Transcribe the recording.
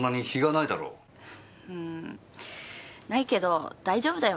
んーないけど大丈夫だよ。